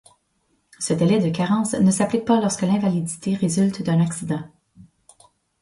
Ce délai de carence ne s'applique pas lorsque l'invalidité résulte d'un accident.